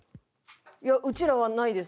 いやうちらはないです。